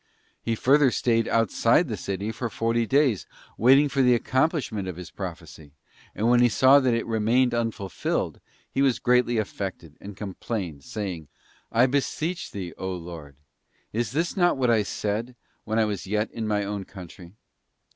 He further stayed outside the city for forty days waiting for the accomplishment of his prophecy, and when he saw that it remained unfulfilled, he was greatly affected, and complained, saying: 'I beseech Thee, O Lord, is not this what I said, when I was yet in my own country?